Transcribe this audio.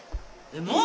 もう！？